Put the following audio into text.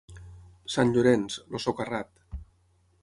Sant Llorenç, el socarrat.